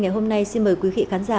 ngày hôm nay xin mời quý khí khán giả